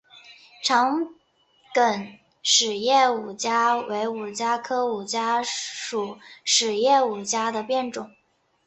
长梗匙叶五加为五加科五加属匙叶五加的变种。